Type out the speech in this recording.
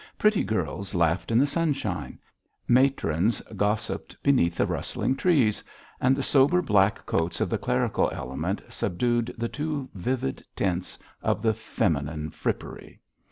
Pretty girls laughed in the sunshine; matrons gossiped beneath the rustling trees; and the sober black coats of the clerical element subdued the too vivid tints of the feminine frippery.